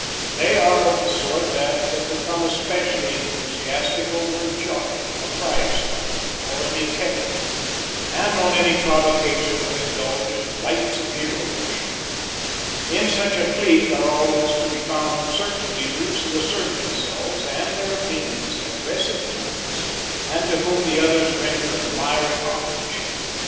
They are of the sort that become especially enthusiastic over a jockey, a prize fighter, or a detective, and on any provocation will indulge in flights of hero worship. In such a clique are always to be found certain leaders who assert themselves and their opinions in aggressive tones and to whom the others render admiring homage.